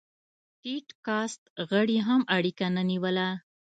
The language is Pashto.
ټيټ کاست غړي هم اړیکه نه نیوله.